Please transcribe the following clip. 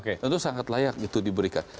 itu sangat layak gitu diberikan